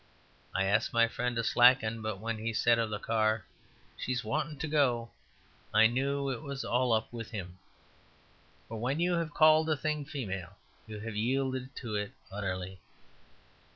I asked my friend to slacken, but when he said of the car, "She's wanting to go," I knew it was all up with him. For when you have called a thing female you have yielded to it utterly.